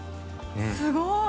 すごーい。